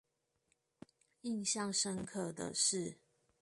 印象深刻的是